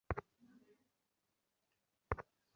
কিন্তু ভগবানের নিকট প্রার্থনা করার কোন অর্থ হয় না।